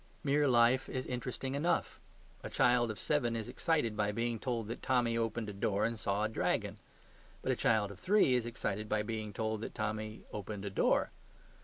Mere life is interesting enough. A child of seven is excited by being told that Tommy opened a door and saw a dragon. But a child of three is excited by being told that Tommy opened a door.